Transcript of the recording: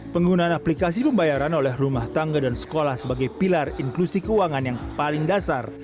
penggunaan aplikasi pembayaran oleh rumah tangga dan sekolah sebagai pilar inklusi keuangan yang paling dasar